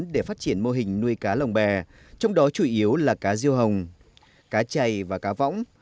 để phát triển mô hình nuôi cá lồng bè trong đó chủ yếu là cá riêu hồng cá chày và cá võng